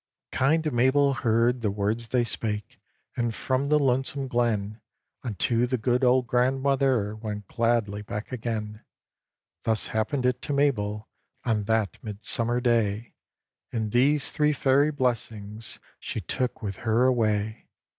Kind Mabel heard the words they spake, And from the lonesome glen Unto the good old grandmother Went gladly back again. Thus happened it to Mabel, On that Midsummer Day, And these three Fairy blessings She took with her away.